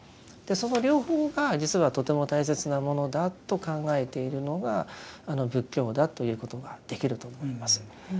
その両方が実はとても大切なものだと考えているのが仏教だということができると思います。